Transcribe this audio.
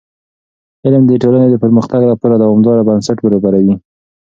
علم د ټولنې د پرمختګ لپاره دوامداره بنسټ برابروي.